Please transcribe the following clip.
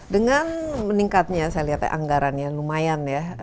dengan meningkatnya saya lihat ya anggarannya lumayan ya